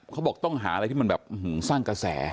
เขาบอกต้องหาอะไรที่มันแบบสร้างกระแส